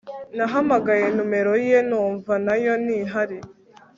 nahamagaye numero ye numva nayo ntihari